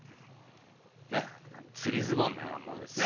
吊りズボンのようなものですね。